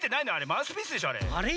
マウスピースでしょあれ。